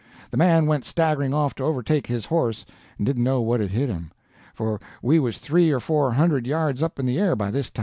The man went staggering off to overtake his horse, and didn't know what had hit him, for we was three or four hundred yards up in the air by this time.